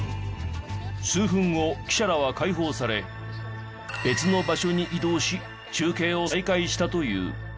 数分後記者らは解放され別の場所に移動し中継を再開したという。